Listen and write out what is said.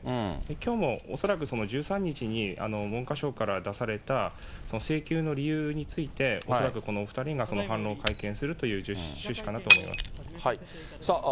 きょうも恐らく１３日に、文科省から出された請求の理由について、恐らくこのお２人が、その反論を会見するという趣旨かなと思います。